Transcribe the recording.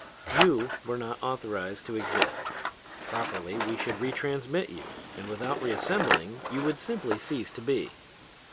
'You were not authorized to exist; properly we should retransmit you, and without reassembling you would simply cease to be.'